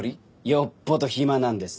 よっぽど暇なんですね。